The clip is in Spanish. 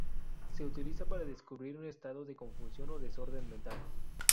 Se utiliza para describir un estado de confusión o desorden mental.